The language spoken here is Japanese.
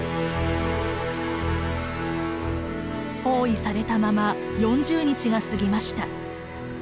包囲されたまま４０日が過ぎました。